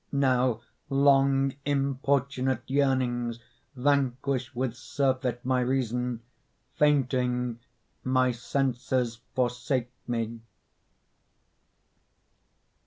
Now long importunate yearnings Vanquish with surfeit my reason; Fainting my senses forsake me.